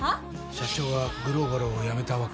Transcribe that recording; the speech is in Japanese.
社長がグローバルを辞めた訳。